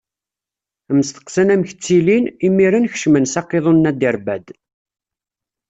Mmesteqsan amek ttilin, imiren kecmen s aqiḍun n Aderbad.